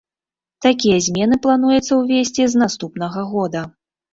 Такія змены плануецца ўвесці з наступнага года.